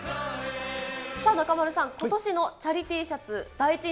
中丸さん、ことしのチャリＴシャ